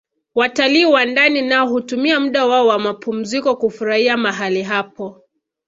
Watalii wa ndani nao hutumia muda wao wa mapumziko kufurahia mahali hapo